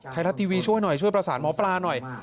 ไทยรัฐทีวีช่วยหน่อยช่วยประสานหมอปลาหน่อย